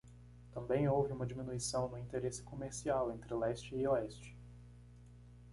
Também houve uma diminuição no interesse comercial entre leste e oeste.